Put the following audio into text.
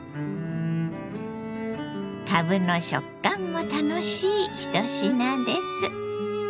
かぶの食感も楽しい１品です。